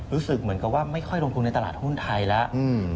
รู้สึกเหมือนกับว่าไม่ค่อยลงทุนในตลาดหุ้นไทยแล้ว